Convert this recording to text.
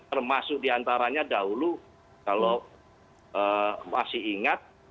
termasuk diantaranya dahulu kalau masih ingat